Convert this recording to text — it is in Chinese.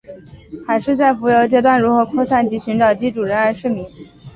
海虱在浮游阶段如何扩散及寻找寄主仍然是迷。